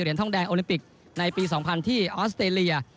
ทองแดงโอลิมปิกในปี๒๐๐ที่ออสเตรเลีย